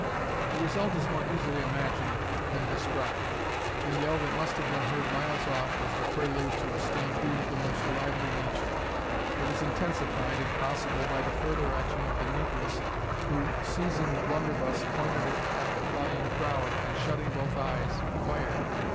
The result is more easily imagined than described. A yell that must have been heard miles off was the prelude to a stampede of the most lively nature. It was intensified, if possible, by the further action of the negress, who, seizing the blunderbuss, pointed it at the flying crowd, and, shutting both eyes, fired!